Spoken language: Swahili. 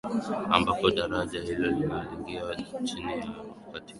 ambapo daraja hilo linaingia chini ya bahari na kupitia kati ya visiwa viwili vya